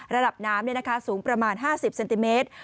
ระดับน้ำสูงประมาณ๕๐เซนติเมตร